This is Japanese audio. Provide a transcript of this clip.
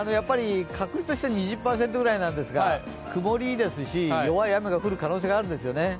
確率として２０％ぐらいなんですが曇りですし、弱い雨が降る可能性があるんですね。